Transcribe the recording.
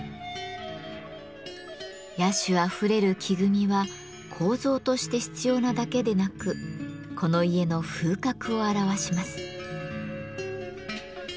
野趣あふれる木組みは構造として必要なだけでなくこの家の風格を表します。